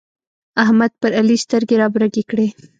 احمد پر علي سترګې رابرګې کړې.